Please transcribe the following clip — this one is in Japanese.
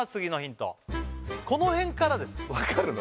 この辺からですわかるの？